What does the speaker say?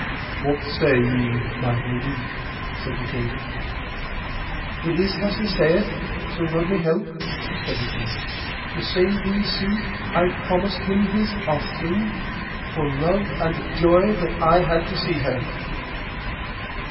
What say ye, my lady? said the king. It is as he saith, so God me help, said the queen; to say thee sooth I promised him his asking for love and joy that I had to see her.